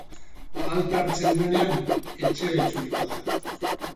Alta hartzen duenean etxera itzuliko da.